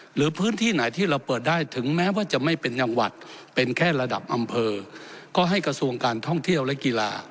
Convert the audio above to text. หรือพื้นที่ไหนที่เราเปิดได้ถึงแม้ว่าจะไม่เป็นจังหวัดเป็นแค่ระดับอำเภอก็ให้กระทรวงการท่องเที่ยวและกีฬา